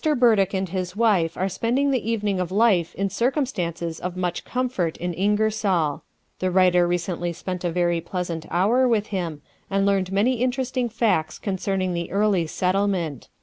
Burdick and his wife are spending the evening of life in circumstances of much comfort in Ingersoll. The writer recently spent a very pleasant hour with him, and learned many interesting facts concerning the early settlement.